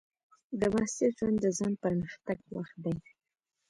د محصل ژوند د ځان پرمختګ وخت دی.